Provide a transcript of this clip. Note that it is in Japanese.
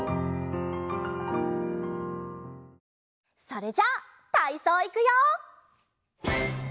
それじゃたいそういくよ！